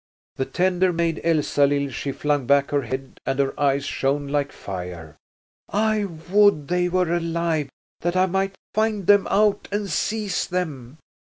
The tender maid Elsalill, she flung back her head and her eyes shone like fire. "I would they were alive that I might find them out and seize them.